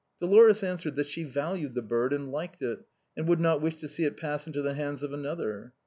Dolores answered that she valued the bird, and liked it, and would not wish to see it pass into the hands of another.